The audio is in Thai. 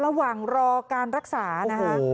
ระหว่างรอการรักษานะคะ